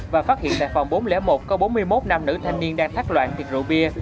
và phát hiện tại phòng bốn trăm linh một có bốn mươi một nam nữ thanh niên đang thắt loạn thiệt rượu bia